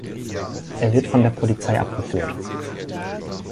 Er wird von der Polizei abgeführt.